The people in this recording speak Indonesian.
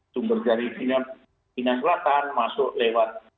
sumber dari china selatan masuk lewat